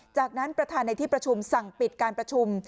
จากนั้นประธานในที่ประชุมสั่งปิดการประชุม